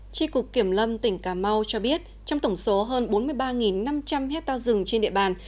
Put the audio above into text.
tri cục kiểm lâm tỉnh cà mau cho biết trong tổng số hơn bốn mươi ba năm trăm linh hectare rừng trên địa bàn